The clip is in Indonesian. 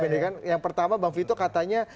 ini kan yang pertama bang vito katanya